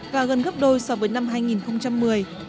và gần gấp đôi so với năm hai nghìn một mươi